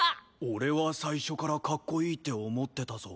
俺は最初からかっこいいって思ってたぞ。